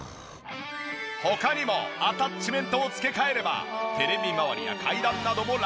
他にもアタッチメントを付け替えればテレビ周りや階段などもラクラク！